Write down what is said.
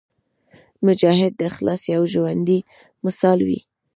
مجاهد د اخلاص یو ژوندی مثال وي.